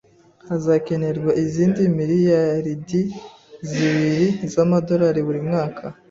Hazokenerwa izindi miliyaridi zibiri z'amadolari buri mwaka